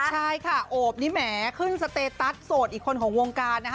ใช่ค่ะโอบนี่แหมขึ้นสเตตัสโสดอีกคนของวงการนะคะ